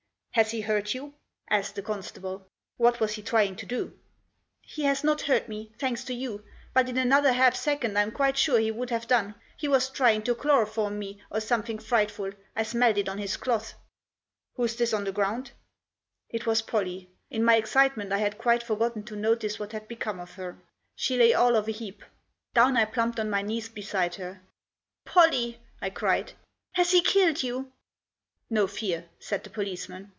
" Has he hurt you ?" asked the constable. " What was he trying to do ?"" He has not hurt me, thanks to you ; but in another half second I'm quite sure he would have done. He was trying to chloroform me, or something frightful, I smelt it on his cloth." " Who's this on the ground ?" It was Pollie. In my excitement I had quite for gotten to notice what had become of her. She lay all of a heap. Down I plumped on my knees beside her. " Pollie 1 " I cried. " Has he killed you ?"" No fear," said the policeman.